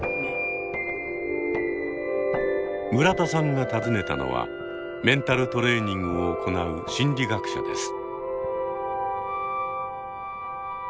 村田さんが訪ねたのはメンタルトレーニングを行う心理学者です。